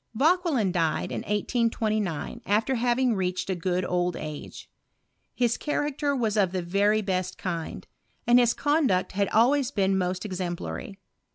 Vauquelin died in 1829, ^fter having reached a good old age. His character was of the very best kind, and his conduct had always been most ex emplary.